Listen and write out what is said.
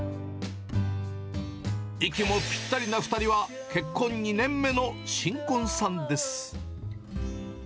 息もぴったりな２人は結婚２年目の新婚さんです。